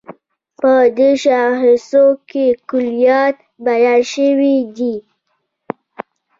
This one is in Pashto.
په دې شاخصو کې کُليات بیان شوي دي.